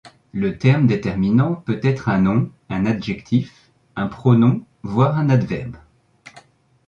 Le terme déterminant peut être un nom, un adjectif, un pronom voire un adverbe.